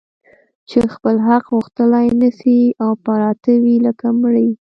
چي خپل حق غوښتلای نه سي او پراته وي لکه مړي